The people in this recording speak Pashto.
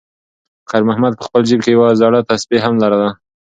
خیر محمد په خپل جېب کې یوه زړه تسبېح هم لرله.